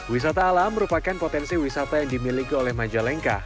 wisata alam merupakan potensi wisata yang dimiliki oleh majalengka